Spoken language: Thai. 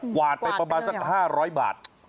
วาดไปประมาณสัก๕๐๐บาท